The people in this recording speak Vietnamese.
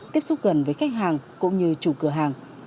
tiếp xúc gần với khách hàng cũng như chủ cửa hàng